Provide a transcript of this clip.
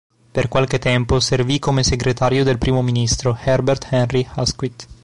Per qualche tempo, servì come segretario del primo ministro, Herbert Henry Asquith.